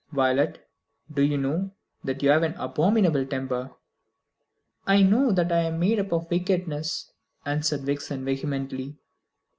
"Violet, do you know that you have an abominable temper?" "I know that I am made up of wickedness!" answered Vixen vehemently.